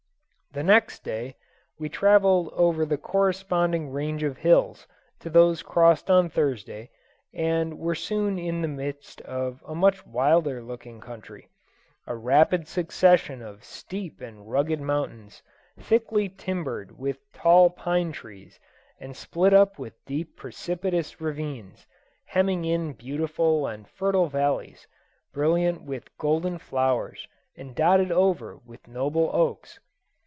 The next day we travelled over the corresponding range of hills to those crossed on Thursday, and were soon in the midst of a much wilder looking country a rapid succession of steep and rugged mountains, thickly timbered with tall pine trees and split up with deep precipitous ravines, hemming in beautiful and fertile valleys, brilliant with golden flowers and dotted over with noble oaks.